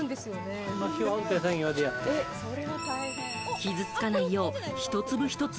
傷つかないよう、一粒一粒